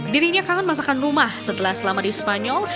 dirinya kangen masakan rumah setelah selama di spanyol